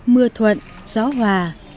mưa thuận gió hòa